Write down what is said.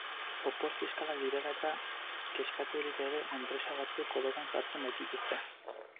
Opor fiskalak direla eta, kexkaturik ere, enpresa batzuk kolokan jartzen baitituzte.